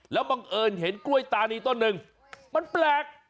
แล้วบังเอิญเห็นกล้วยตานีต้นหนึ่งมันแปลก